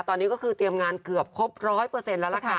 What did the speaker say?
ตอนนี้ก็คือเตรียมงานเกือบครบ๑๐๐แล้วล่ะค่ะ